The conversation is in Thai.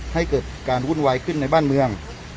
ให้เกิดการวุ่นวายขึ้นในบ้านเมือง